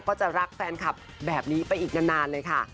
ก็จะรักแฟนคลับแบบนี้ไปอีกนานเลยค่ะ